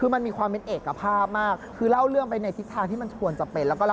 มันมีความเป็นเอกภาพมาก